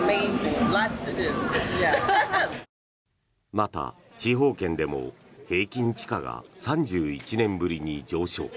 また、地方圏でも平均地価が３１年ぶりに上昇。